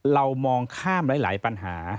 เรามองข้ามหลายปัญหา